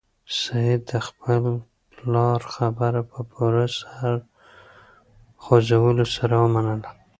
سعید د خپل پلار خبره په پوره سر خوځولو سره ومنله.